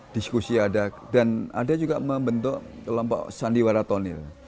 diskusi ada dan ada juga membentuk kelompok sandiwara tonil